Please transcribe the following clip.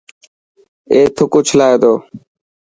اي ٿڪ اوڇلائي تو.